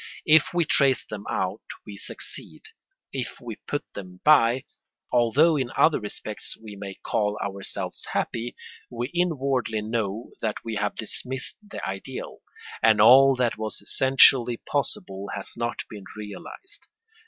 If we trace them out we succeed. If we put them by, although in other respects we may call ourselves happy, we inwardly know that we have dismissed the ideal, and all that was essentially possible has not been realised.